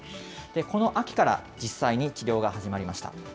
この秋から実際に治療が始まりました。